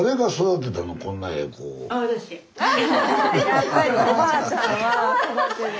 やっぱりおばあちゃんは。